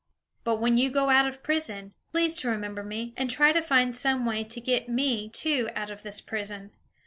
But when you go out of prison, please to remember me, and try to find some way to get me, too, out of this prison.